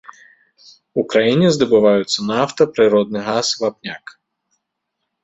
У краіне здабываюцца нафта, прыродны газ, вапняк.